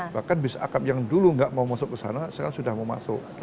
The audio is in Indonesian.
bahkan bis akap yang dulu nggak mau masuk ke sana sekarang sudah mau masuk